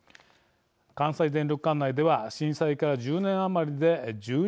関西電力管内では震災から１０年余りで１２倍に。